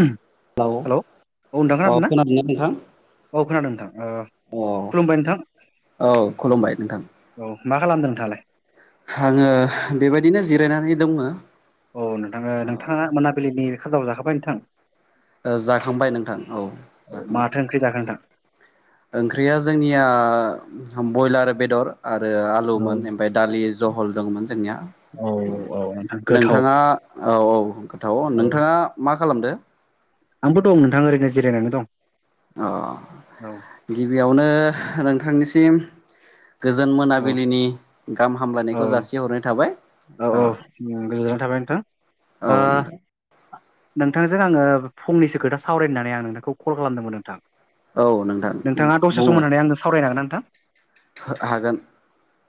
Hello औ नोंथां अ खोनादों ना? खोनादोंना नोंथां औ खोनादों नोंथां ओ अ खुलुमबाय नोंथां औ खुलुमबाय नोंथां औ मा खालामदों नोंथाङालाय? आङो बेबायदिनो जिरायनानै दङ। औ नोंथाङो नोंथाङा मोनाबिलिनि खाजा जाखांबाय नोंथां? जाखांबाय नोंथां औ औ जाखांबाय माथो ओंख्रि जाखो नोंथां ओंख्रिया जोंनिया बयलार बेदर आरो औ आलुमोन ओमफ्राय दालि जहल दंमोन जोंनिया। औ औ नोंथां गोथाव नोंथाङा औ औ गोथाव औ नोंथाङा मा खालामदो? आंबो दं नोंथाङा ओरैनो जिरायनानै दं। अ औ गिबियावनो नोंथांनिसिम गोजोन औ मोनाबिलिनि गाहाम औ हामलायनायखौ जासिहरनाय थाबाय औ औ गोजोननाय थाबाय नोंथां। औ नोंथां नोंथांजों आङो फंनैसो खोथा सावरायनानै आं नोंथांखौ कल खालामदोंमोन नोंथां। औ नोंथां नोंथाङा दसे सम बुंलाय होननानै आंनो सावरायनो हागोन ना नोंथां? हागोन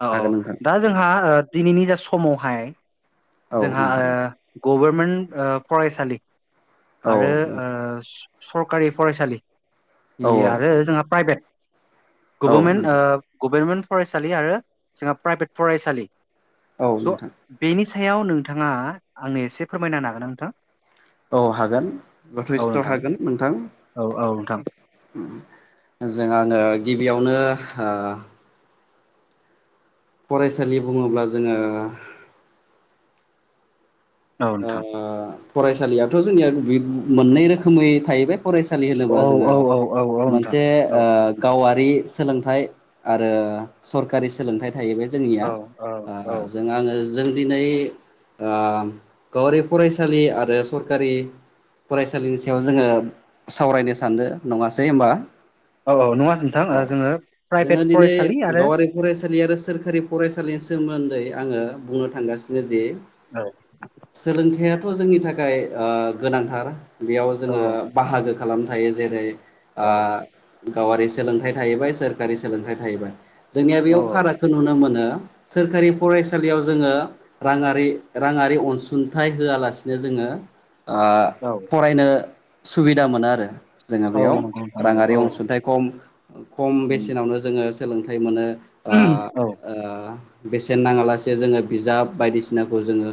औऔ हागोन नोंथां दा जोंहा दिनैनि जा समावहाय औ जोंहा नोंथां ओ गभारनमेन्ट ओ फरायसालि औ आरो ओ सरकारि फरायसालि औ बे आरो औ जोंहा प्राइभेट औ गभारमेन्ट ओ नोंथां गभार्मेन्ट फरायसालि आरो जोंहा प्राइभेट फरायसालि औ नोंथां बिनि सायाव नोंथाङा आंनो एसे फोरमायना हागोना नोंथां? औ हागोन। जथेस्थ' ना हागोन नोंथां। नोंथां औ नोंथां औ नोंथां जों आङो गिबियावनो ओ फरायसालि बुङोब्ला जोङो औ ओ नोंथां फरायसालियाथ' जोंनिया मोननै रोखोमै थाहैबाय फरायसालि होनोबा औ जोङो औ औ औ औ नोंथां मोनसे औ ओ गावा थि सोलोंथाइ आरो सकारि सोलोंथाइ थायो बे जोंनिया औ ओ औ जों आङो जों दिनै ओ गावारि फरायसालि आरो सरखारि फरायसालिनि सायाव जोङो सावरायनो सानदों नङासै होमबा? औ औ नङा नोंथां अ जोङो प्राइभेट जोङो दिनै फरायसालि आरो गावारि फराइ यसालि आरो सोरखारि फरायसालिनि सोमोन्दै आङो बुंनो थांगासिनो जे औ सोलोंथाइयाथ' जोंनि थाखाय ओ गोनांथार बेयाव औ जोङो बाहागो खालाम थायो जेरै- औ ओ गावारि सोलोंथाइ थाहैबाय सोरखारि सोलोंथाइ थाहैबाय जोंनिया औ बेयाव फारागखौ नुनो मोनो सोरखारि फरायसालियाव जोङो रांङारि रांआरि अन सुंथाइ होआलासिनो जोङो ओ औ फरायनो सुबिदा मोनो आरो जोङो औ बेयाव नंगौ नोंथां नंगौ राङारि औ अनसुंथाइ खम खम बेसेनावनो जोङो सोलोंथाइ मोनो ओ [unintelligible] औ ओ बेसेन नाङालासे जोङो बिजाब बायदिसिनाखौ जोङो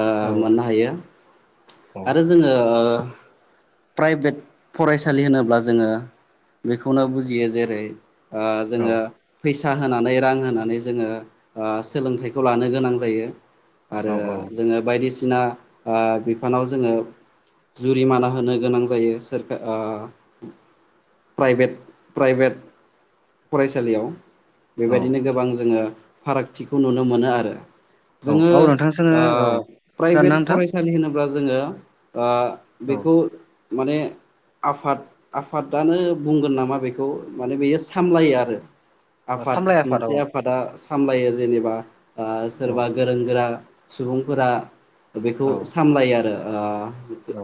ओ‌ औ मोननो हायो औ आरो जोङो प्राइभेट फरायसालि होनोब्ला जोङो बेखौनो बुजियो जेरै ओ जोङो फै सा होनानै रां होनानै जोङो ओ सोलोंथाइखौ लानो गोनां जायो। आरो औ औ।। जोङो बायदिसिना ओ बिफानाव जोङो जुरिमाना होनो गोनां जायो सोरका ओ प्राइभेट प्राइभेट फरायसालियाव औ बेबायदिनो गोबां जोङो फारागथिखौ नुनो मोनो आरो जोङो औ औ नोंथां जों ओ प्राइभेट फरायसालि होनोब्ला जोङो ओ औ बेखौ माने आफाद आफादानो बुंगोन नामा बेखौ माने बेयो सामलायो आरो। औ आफाद सामलाय औ मोनसे आफादा सामलायो जेनेबा ओ औ सोरबा गोरों गोरा सुबुंफोरा बेखौ औ सामलायो आरो ओ औ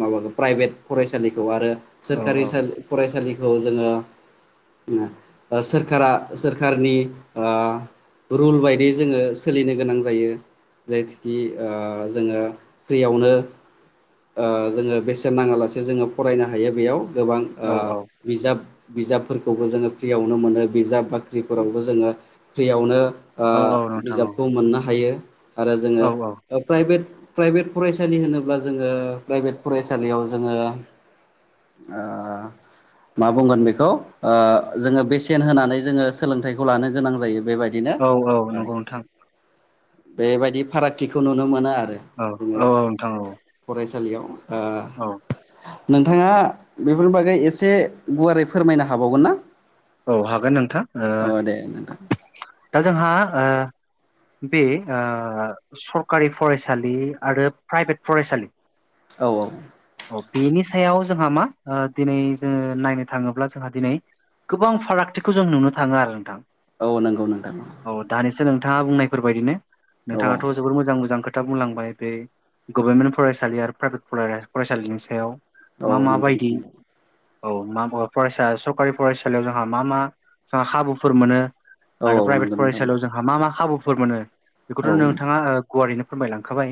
माबाखौ प्राइभेट फरायसालिखौ आरो औ सोरखारि सालि फरायसालिखौ जोङो ओ सोरखारा सोरखारनि ओ रुल बायदि जोङो सोलिनो गोनां जायो। जेथुखि ओ जोङो फ्रियावनो ओ जोङो बेसेन नाङालासे जोङो फरायनो हायो बेयाव गोबां ओ औ बिजाब बिजाबफोरखौबो जोङो फ्रियावनो मोनो बिजाब बाख्रिफोरावबो जोङो फ्रियावनो ओ औ औ नोंथां औ बिजाबखौ मोननो हायो आरो जोङो औ ओ प्राइभेट प्राइभेट फरायसालि होनोब्ला जोङो प्राइभेट फरायसालियाव जोङो ओ मा बुंगोन बेखौ ओ जोङो बेसेन होनानै जोङो सोलोंथाइखौ लानो गोनां जायो बेबायदिनो औ औ नंगौ नोंथां बेबायदि फारागथिखौ नुनो मोनो आर औ औ औ नोंथां औ। फरायसालियाव ओ औ। नोंथाङा बेफोरनि बागै एसे गुवारै फोरमायनो हाबावगोन ना? औ हागोन नोंथां ओ अ दे नोंथां दा जोंहा ओ बे ओ सरकारि फरायसालि आरो प्राइभेट फरायसालि औ औ अ बेनि सायाव जोंहा मा ओ दिनै जोङो नायनो थाङोब्ला जोंहा दिनै गोबां फारागथिखौ जों नुनो थांङो आरो नोंथां। औ नंगौ नोंथां। नोंथांङा बुंनायफोरबायदिनो औ नोंथांङाथ' जोबोर मोजां मोजां खो खोथा बुंलांबाय बे गभर्नमेन्ट फरायसालि आरो प्राइभेट फराय फरायसालिनि सायाव। औ मा नोंगौ माबायदि नोंगौ। औ मा बुंङो फरायसा सरकारि फरायसालियाव जोंहा मा मा जोंहा खाबुफोर मोनो औ आरो औ प्राइभेट नंगौ नोंथां फरायसालियाव जोंहा मा मा खाबुफोर मोनो औ बेखौथ' नोंथांङा ओ गुवारैनो फोरमायलांखाबाय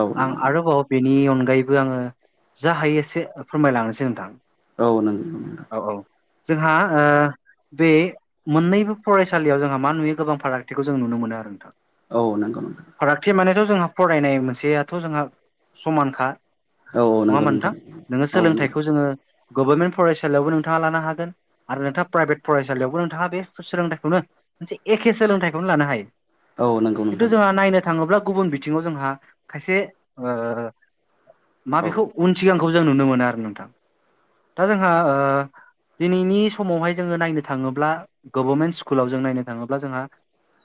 औ आं नंगौ नोंथां आरोबाव बेनि अनगायैबो आंङो जा हायो एसे फोरमायलांनोसै नोंथां। औ नों औ औ जोंहा ओ बे मोननैबो फरायसालियाव जोंहा मा नुयो गोबां फारागथिखौ जों नुनो मोनो आरो नोंथां। औ नंगौ नोंथां। थ' जोंहा फरायनाय मोनसेयाथ' जोंहा समानखा औ नंङा नंगौ होनबा नोंथां नोंङो औ नंगौ सोलोंथाइखौ जोंङो गभर्नमेन्ट फरायसालियावबो नोंथांङा लानो हागोन आरो नोंथाङा प्राइभेट फरायसालियावबो नोंथांङा बे सोलोंथाइखौनो मोनसे एखे सोलोंथाइखौनो लानो हायो। औ नंगौ खिन्थु नोंथां जोंहा नायनो थांङोब्ला गुबुन बिथिङाव जोंहा खायसे ओ औ माबेखौ उन सिगांखौ जों नुनो मोनो आरो नोंथां दा जोंहा ओ दिनैनि समावहाय जोङो नायनो थाङोब्ला गभारनमेन्ट स्कुलाव जों नायनो थांङोब्ला जोंहा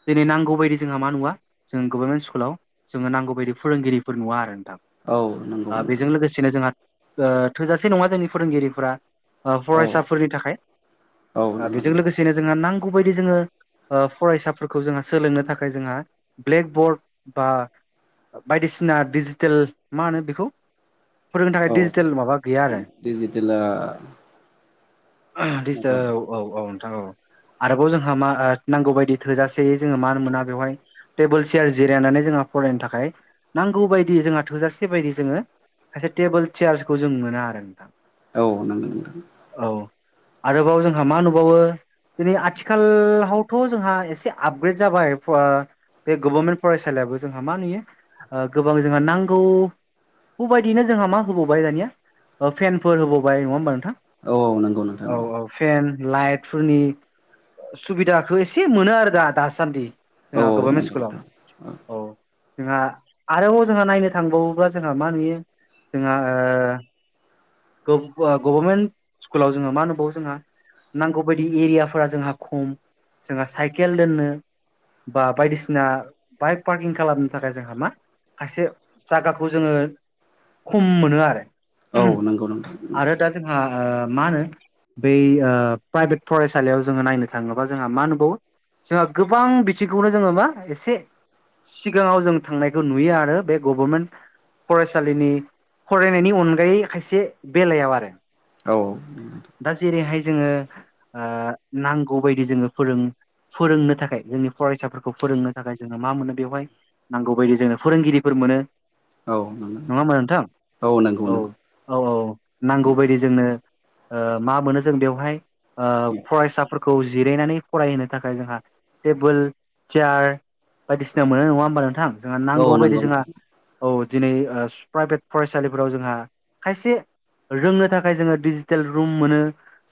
दिनै नांगौ बायदि जोंहा मा नुवा जों गभर्मेन्ट स्कुलाव जोङो नांगौ बायदि फोरोंगिरिफोर नुवा आरो। औ नोंगौ ओ नोंथां। बेजों लोगोसेनो ओ थोजासे नंङा जोंनि फोरोंगिरिफोरा ओ औ फरायसाफोरनि थाखाय औ ओ नंगौ बेजों नंगौ लोगोसेनो जोङो नांगौ बदि जोङो ओ फरायसाफोरखौ जोङो सोलोंनो थाखाय जोंहा ब्लेकबर्ड बा बायदिसिना डिजिटेल मा होनो बेखौ फोरोंनो थाखाय औ डिजिटेल माबा गैया आरो। डिजिटेला डिजिटेल नंगौ औ औ औ नोंथां औ। आरोबाव जोंहा मा ओ नांगौ बायदि थोजासे जोङो मान मोना बेवहाय टेबोल चियार जिरायनानै जोंहा फरायनो थाखाय नांगौ बायदि जोंहा थोजासे बायदि जोङो खायसे टेबोल चेयार्सखौ जों मोना आरो नोंथां। औ नोंगो नोथां। औ आरोबाव जोंहा मा नुबावो दिनै आथिखाल हावथ' जोंहा एसे आपग्रेड जाबाय फ'ओ बे गभर्मेन्ट फरायसालियाबो जोंहा मा नुयो ओ गोबां जोंहा नांगौ गौबाय दिनो जोंहा मा होबावबाय दानिया ओ फेनफोर होबावबाय नङा होमबा नों थां नोंथां औ औ फेन लाइटफोरनि सुबिदाखो एसे मोनो आरो दा दासान्दि औ जोङा गभर्मेन्ट स्कुलाव औ। जोंहा आरोबाव जोंहा नायनो थांबावोब्ला जोंहा मा नुयो जोंहा ओ गभ ओ गभर्मेन्ट स्कुलाव जोङो मा नुबावो जोंहा नांगौ बायदि एरियाफोरा जोंहा खम जोंहा साइकेल दोननो बा बायदिसिना बाइक पार्किं खालामनो थाखाय जोंहा मा खायसे जागाखौ जोङो खम मोनो आरो। औ उम नंगौ नोंथां आरो दा जोंहा ओ मा होनो बै ओ प्राइभेट फरायसालियाव जोङो नायनो थाङोबा जोंहा मा नुबावो जोंहा गोबां बिथिखौनो जोङो मा एसे सिगाङाव जों थांनायखौ नुयो आरो बे गभर्मेन्ट फराय सालिनि फरायनायनि अनगायै खायसे बेलायाव आरो। औ दा जेरैहाय जोङो ओ नांगौ बायदि जोङो फोरों फोरोंनो थाखाय जोंनि फरायसाफोरखौ फोरोंनो थाखाय जोंङो मा मोनो बेवहाय नांगौ बायदि जोंनो फोरोंगिरिफोर मोनो। औ नङाहोमबा नोंथां नंगौ नोंथां नंगौ नंगौ औ नंगौ औ औ औ नांगौ बायदि जोंनो ओ मा मोनो जों बेवहाय ओ फरायसाफोरखौ जिरायनानै फरायहोनो थाखाय जोंहा टेबोल चियार बायदिसिना मोनो नङा होमबा नोंथां। जोङा औ नांगौ बायदि नंगौ जोङा नोंथां औ दिनै ओ प्राइभेट फरायसालिफोराव जोंहा खायसे रोंनो थाखाय जोङो डिजिटेल रुम मोनो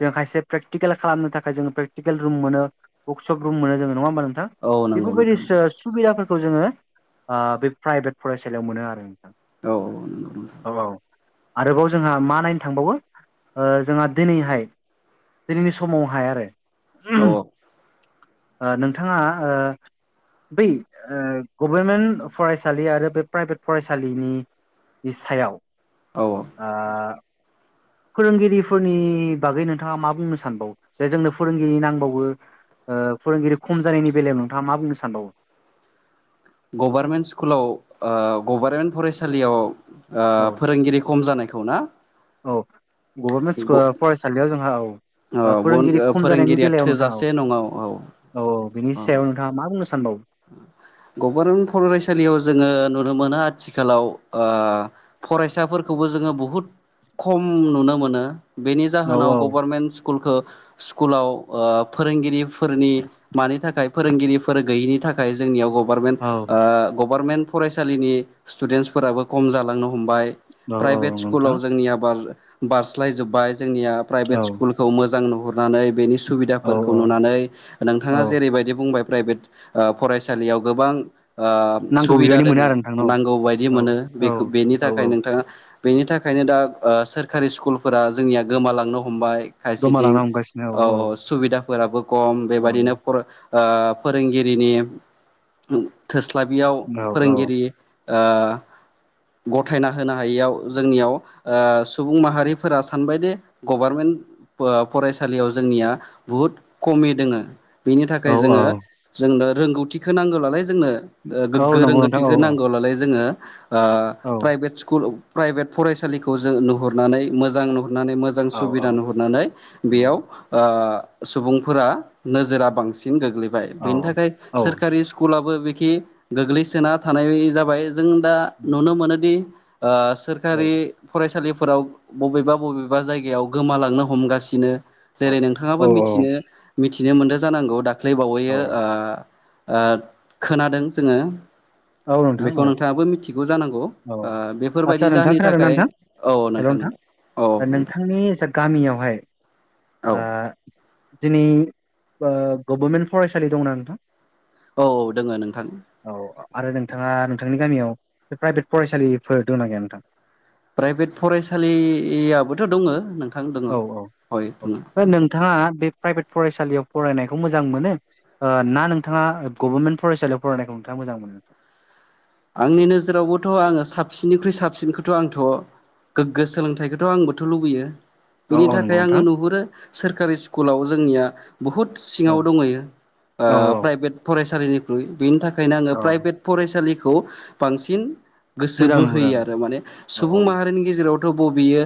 जोङो खायसे प्रेकटिकेल खालामनो थाखाय जोङो प्रेकटिकेल रुम मोनो बुक सुब रुम मोनो जोङो नङा होमबा नोंथां। औ नंगौ बेफोरबायदि नोंथां सो सुबिदाफोरखौ जोङो ओ बे प्राइभेट फरायसालियाव मोनो आरो नोंथां। औ औ नोंगौ औ औ आरोबाव जोंहा मा नायनो थांबावो ओ जोंहा दिनैहाय दिनैनि समावहाया आरो। औ ओ नोंथाङा ओ बै ओ गभर्मेन्ट फरायसालि आरो बे प्राइभेट फरायसालिनि इ सायाव औ ओ फोरोंगिरिफोरनि बागै नोंथाङा मा बुंनो सानबाव जे जोंनो फोरोंगिरि नांबावगो। ओ फोरोंगिरि खम जानायनि बेलायाव नोंथाङा मा बुंनो सानबावो? गभार्नमेन्ट स्कुलाव गभार्नमेन्ट फरायसालियाव औ फोरोंगिरि खम जानाय गोथौना। औ गभर्नमेन्ट स्कुल फरायसालियाव जोंहा ओ औ फोरोंगिरि खम जानायनि फोरोंगिरिया बेलायाव नोंथाङा औ थोजासे नङा औ औ औ बिनि सायाव नोंथाङा मा बुंनो सानबावो? गभर्नमेंट फरायसालियाव जोङो नुनो मोनो आथिखालाव फरायसाफोरखौ जोङो बहुद खम नुनो मोन बेनि औ जोनाव औ गभर्नमेंट स्कुलखौ स्कुलाव फोरोंगिरिफोरनि मानि थाखाय फोरोंगिरिफोर गैयिनि थाखाय जोंनियाव गभार्नमन्ट औ गभार्नमेन्ट फरायसालिनि स्टुडेन्टसफोराबो खम जांलांनो हमबाय औ औ प्राइभेट स्कुलाव नोंथां जोंनिया बारस्लाय जोबबाय जोंनिया प्राइभेट औ स्कुलखौ मोजां नुहरनानै बेनि औ सुबिदाफोरखौ औ नुनानै नोंथाङा औ जेरैबायदि बुंबाय प्राइभेट फरायसालियाव गोबां नांगौ सुबिदा बिबांनि मोनो दोङो आरो नोंथां औ नांगौ बायदि औ मोनो औ बेखौ बेनि औ थाखाय औ नोंथाङा बेनि थाखायनो दा सोरखारि स्कुलफोरा जोंनिया गोमालांनो हमबाय खायसेथिं गोमालांनो हमगासिनो औ अ सुबिदा फोराबो खम औ बेबायदिनो ओ फोरोंगिरिनि क्लाबियाव औ औ फोरोंगिरि ओ गथायना होनो हायियाव जोंनियाव आ सुबुं माहारिफोरा सानबायदिे गभारनमेन्ट फरायसालियाव जोंनिया बुहुत खमि दोङो बेनि औ थाखाय जोङो औ जोंनो रोंगौथिखौ नांगौलालाय जोंनो औ गोगो नंगौ नोंथां औ रोंगौथिखौ नांगौब्लालाय जोङो ओ औ प्राइभेट स्कुल प्राइभेट फरायसालिखौ जों नुहुरनानै मोजां नु हरनानै मोजां औ सुबिदा नुहुरनानै औ औ बेयाव सुबुंफोरा नोजोरा बांसिन गोग्लैबाय औ बेनि थाखाय औ सोरखारि स्कुलाबो खि गोग्लैसोना थानाय जाबाय जों दा नुनो मोनोदि ओ सोरखारि फरायसालि फोराव बबेबा बबेबा जायगायाव गोमालांनो हमगासिनो जेरै औ नोंथाङाबो मिथिनो मिथिनो मोनदों जानांगौ दाख्लै औ बावैयो आ खोनादों जोङो औ नोंथां बेखौ औ नोंथाङाबो मिथि गौ जानांगौ औ ओ आदसा बेफोरबायदि नोंथां जाहोननि खोनादोंना थाखाय नोंथां औ नोंथां नोंथां औ नोंथांनि जा गामियावहाय औ आ दिनै गभर्मेन्ट फरायसालि दंना नोंथां औ औ दोङ नोंथां औ आरो नोंथाङा नोंथांनि गामियाव बे प्राइभेट फरायसालिफोर दंना गैया नोंथां प्राइभेट फरायसालियाबोथ' दङ नोंथ औ औ औ नोंथाङा बे प्राइभेट फरायसालियाव फरायनायखौ मोजां मोनो ना नोंथाङा गभर्नमेन्ट फरायसालियाव फरायनायखौ नोंथाङा मोजां मोनो नोंथां [unintelligible] आंनि नोजोरावबोथ' आङो साबसिननिख्रुइ साबसिनखौथ' आंथ' गोग्गो सोलोंथाइखौथ' आंबोथ' लुबैयो औ बेनि औ नंगौ थाखाय आङो नोंथां नुहुरो सोरखारि स्कुलाव जोंनिया बुहुद औ सिङाव दङयो औ प्राइभेट फरायसालिनिख्रुइ बेनि थाखायनो आङो औ प्राइभेट फरायसालिखौ बांसिन गोसो मोजां नुहुरो बोहोयो आरो माने औ सुबुं माहारिनि गेजेरावथ' बबेयो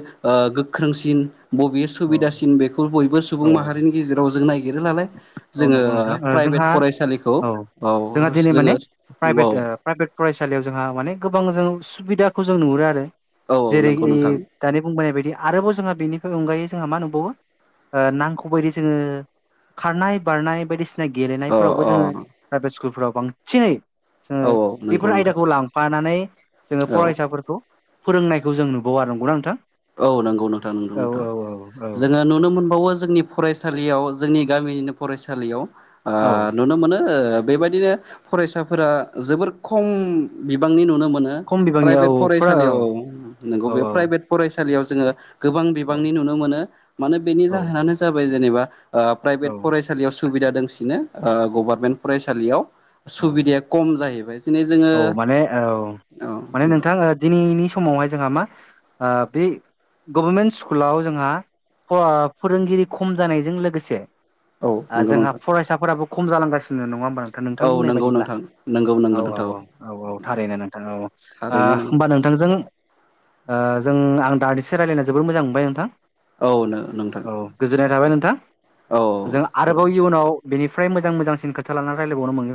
गोख्रोंसिन बबे औ सुबिदासिन बेखौ बयबो औ सुबुं औ माहारिनि गेजेराव जों ननायागिरोलालाय औ जोङो नंगौ नोंथां ओ प्राइभेट जोंहा फरायसालिखौ औ जोंहा औ दिनै माने जोङो औ प्राइभेट ओ प्राइभेट फरायसालियाव जोंहा माने गोबां जों सुबिदाखौ जों नुहुरो आरो औ औ जेरै नंगौ नोंथां दानि बुंबोनाय बायदि आरोबाव जोंहा बेनि बे अनगायै जोंहा मा नुबावो नांगखौ बायदि जोङो खारनाय बारनाय बायदिसिना जाय अ गेलेनायफोरावबो अ जोङो प्राइभेट स्कुलफोराव बांसिनै जोङो औ नंगौ बेफोर नोंथां आयदाखौ लांफानानै जोङो औ फरायसाफोरखौ फोरोंनायखौ जों नुबावा नंगौना नोंथां औ नंगौ नोंथां नंगौ औ नोंथां औ औ जोङो नुनो मोनबावो जोंनि फरायसालियाव जोंनि गामिनिनो फरायसालियाव आ औ नुनो मोनो ओ बेबायदिनो फरायसाफोरा जोबोर खम बिबांनि नुनो मोनो खम बिबांनि औ प्राइभेट फुरा औ फरायसालियाव नंगौ औ बे प्राइभेट फरायसालियाव जोङो गोबां बिबांनि नुनो मोनो मानो बेनि औ जाहोनानो जाबाय जेनेबा ओ प्राइभेट औ फरायसालियाव सुबिदा दंसिनो गभारनमेन्ट फरायसालियाव औ सुबिदाया खम जायो। औ माने औ औ माने नंगौ नोंथां दिनैनि समावहाय जोंहा मा बे गभारमेन्ट स्कुलाव जोंहा फोरोंगिरि खम जानायजों लोगोसे औ आ नंगौ जोंहा नोंथां फरायसाफोराबो खम जालांगासिनो नङा होमबा? नोंथां औ बुंनाय नंगौ बायदिब्ला। नोंथां नंगौ नंगौ औ औ नोंथां औ औ औ थारैनो नोंथां औ। थारैनो नंगौ होमबा नोंथांजों ओ जों आं दानिसो रायज्लायना जोबोद मोजां मोनबाय नोंथां। औ नोंथां औ गोजोननाय थाबाय नोंथां औ जों औ आरोबाव इयुनाव बेनि फ्राय मोजां मोजांसिन खोथा लानानै रायलायबावनो मोनोगोन।